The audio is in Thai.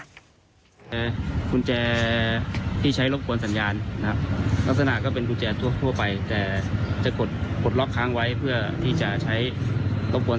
สมมติว่าเป็นผู้เสียหายกำลังจะล็อก